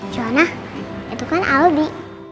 juana itu kan aldi